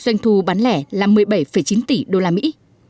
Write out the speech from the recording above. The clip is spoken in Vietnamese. doanh thu bán lẻ là một mươi bảy chín tỷ đô la mỹ